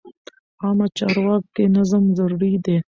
عامه چارو کې نظم ضروري دی.